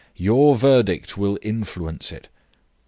Your verdict will influence it.